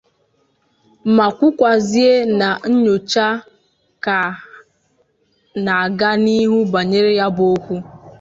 ma kwukwazie na nnyocha ka na-aga n'ihu banyere ya bụ okwu